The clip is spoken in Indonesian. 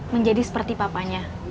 menjadi seperti bapaknya